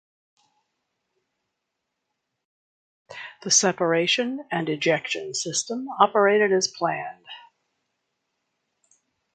The separation and ejection system operated as planned.